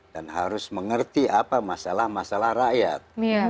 dan harus mengerti apa masalah masalah rakyat